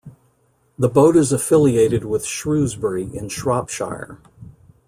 The boat is affiliated with Shrewsbury in Shropshire.